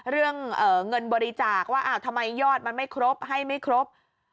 เรื่องเงินบริจาคว่าอ้าวทำไมยอดมันไม่ครบให้ไม่ครบ